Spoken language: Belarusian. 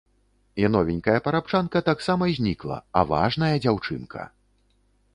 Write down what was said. І новенькая парабчанка таксама знікла, а важная дзяўчынка!